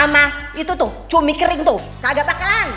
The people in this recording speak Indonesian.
nah itu tuh cumi kering tuh kagak bakalan